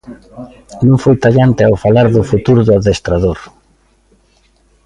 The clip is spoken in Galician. Non foi tallante ao falar do futuro do adestrador.